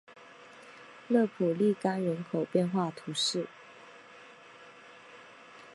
勒普利冈人口变化图示